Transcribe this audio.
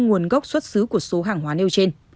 nguồn gốc xuất xứ của số hàng hóa nêu trên